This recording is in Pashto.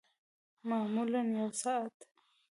معمولاً یوه ساعت